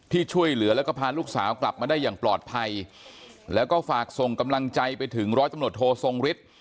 ช่วยเหลือแล้วก็พาลูกสาวกลับมาได้อย่างปลอดภัยแล้วก็ฝากส่งกำลังใจไปถึงร้อยตำรวจโททรงฤทธิ์